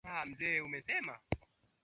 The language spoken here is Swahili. Mzee amesema.